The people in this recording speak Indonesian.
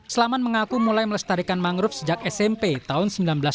selamat mengaku mulai melestarikan mangrove sejak smp tahun seribu sembilan ratus sembilan puluh